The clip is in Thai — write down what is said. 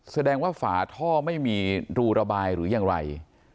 แสดงว่าฝาท่อไม่มีรูระบายหรือยังไร